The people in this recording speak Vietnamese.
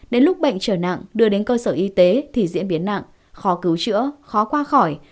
đến lúc bệnh trở nặng đưa đến cơ sở y tế thì diễn biến nặng khó cứu chữa khó qua khỏi